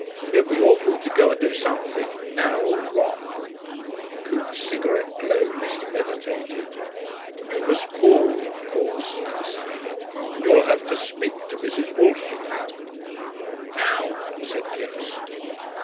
"It would be awful to go and do something now all wrong." Coote's cigarette glowed as he meditated. "You must call, of course," he decided. "You'll have to speak to Mrs. Walshingham." "'Ow?" said Kipps.